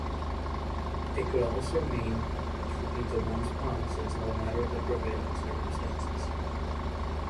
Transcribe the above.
It could also mean keeping to one's promises no matter the prevailing circumstances.